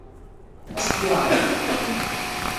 Ad as-t-yeɛṛeḍ?